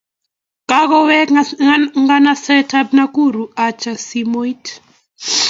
Kakawe nganaset ab Nakuru acha simoit